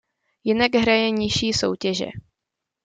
Jinak hraje nižší soutěže.